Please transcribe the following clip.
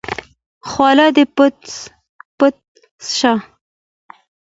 خوله دې پټّ شه!